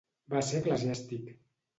Va ser eclesiàstic.